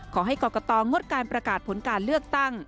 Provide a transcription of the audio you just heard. ขอให้กรกตงดการประกาศผลการเลือกตั้ง